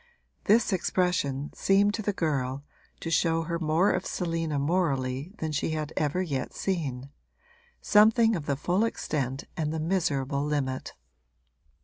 This expression seemed to the girl to show her more of Selina morally than she had ever yet seen something of the full extent and the miserable limit.